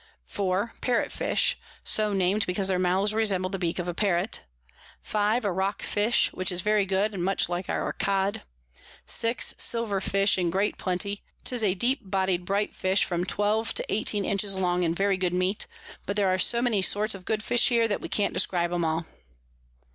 4. Parrot Fish, so nam'd because their Mouths resemble the Beak of a Parrot. 5. A Rock Fish, which is very good, and much like our Cod. 6. Silver Fish in great plenty: 'tis a deep body'd bright Fish, from 12 to 18 inches long, and very good Meat: But there are so many sorts of good Fish here, that we can't describe 'em all.